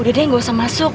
udah deh gak usah masuk